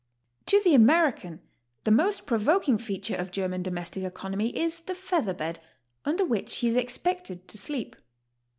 To the American the most provoking feature of German domestic economy is the feather bed, under which he is expected to sleep.